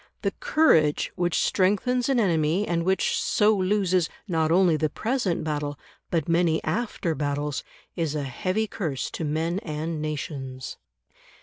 The courage which strengthens an enemy and which so loses, not only the present battle, but many after battles, is a heavy curse to men and nations.